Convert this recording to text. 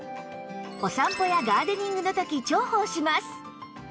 お散歩やガーデニングの時重宝します